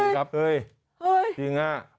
เฮ้ยยยจริงอะ